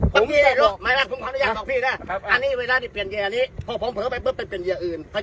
ผมบอกให้ตรงเลยผมบอกตรงไปได้มันได้จบเนี้ย